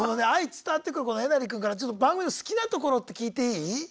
伝わってくるこのえなり君から番組の好きなところって聞いていい？